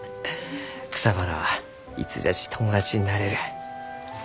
草花はいつじゃち友達になれる。